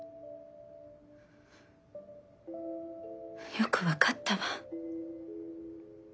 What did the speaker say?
よく分かったわ。